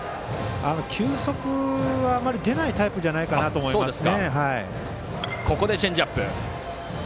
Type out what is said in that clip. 球速はあまり出ないタイプじゃないかと思いますね。